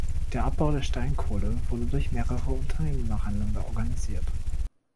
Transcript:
Der Abbau der Steinkohle wurde durch mehrere Unternehmen nacheinander organisiert.